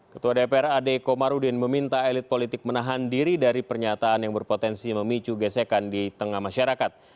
ketua dpr ade komarudin meminta elit politik menahan diri dari pernyataan yang berpotensi memicu gesekan di tengah masyarakat